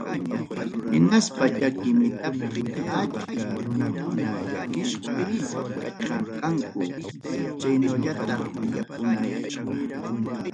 Hinaspa chaki mitapim achka runakuna llakisqa kachkanku chaynallataq yakunayasqa.